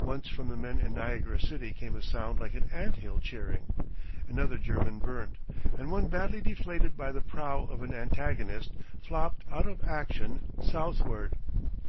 Once from the men in Niagara city came a sound like an ant hill cheering. Another German burnt, and one badly deflated by the prow of an antagonist, flopped out of action southward.